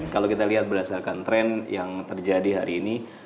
kalau kita lihat berdasarkan tren yang terjadi hari ini